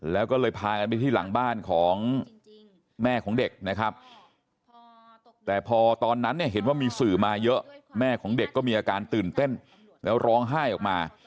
แล้วก็เลยพากันไปที่หลังบ้านของแม่ของเด็กนะครับแต่พอตอนนั้นเนี่ยเห็นว่ามีสื่อมาเยอะแม่ของเด็กก็มีอาการตื่นเต้นแล้วร้องไห้ออกมา